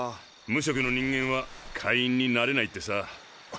「無職の人間は会員になれない」ってさ。